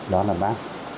đó là bác